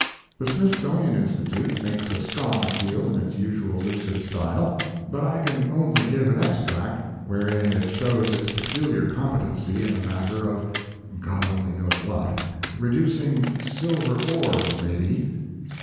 The Smithsonian Institute makes a strong appeal in its usual lucid style, but I can only give an extract, wherein it shows its peculiar competency in the matter of—God only knows what—reducing silver ores, maybe.